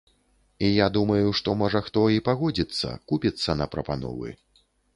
І я думаю, што, можа, хто і пагодзіцца, купіцца на прапановы.